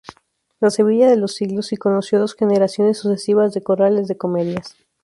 La Sevilla de los siglos y conoció dos generaciones sucesivas de corrales de comedias.